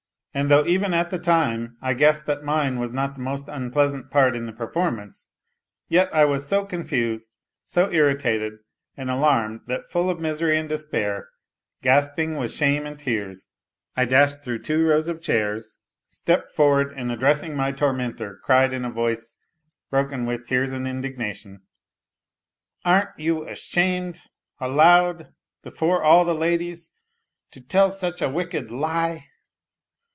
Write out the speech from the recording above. And though even at the time I guessed that mine was not the most unpleasant part in the performance, yet I was so confused, so irritated and alarmed that, full of misery and despair, gasping with shame and tears, I dashed through two rows of chairs, stepped forward, and addressing my tormentor, cried, in a voice broken with tears and indignation :" Aren't you ashamed ... aloud ... before all the ladies ... to tell such a wicked ... lie